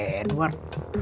semuanya punya edward